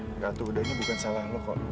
gak tuh ini bukan salah lo kok